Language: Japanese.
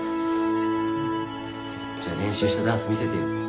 じゃあ練習したダンス見せてよ。